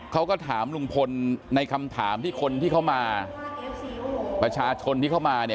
เขาก็ถามลุงพลในคำถามที่คนที่เข้ามาประชาชนที่เข้ามาเนี่ย